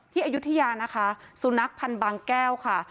อายุทยานะคะสุนัขพันธ์บางแก้วค่ะ